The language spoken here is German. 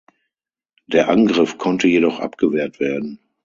Der Angriff konnte jedoch abgewehrt werden.